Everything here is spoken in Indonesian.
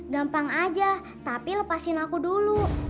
gampang aja tapi lepasin aku dulu